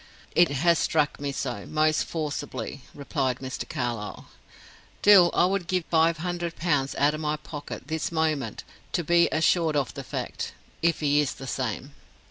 "It has struck me so, most forcibly," replied Mr. Carlyle. "Dill, I would give five hundred pounds out of my pocket this moment to be assured of the fact if he is the same."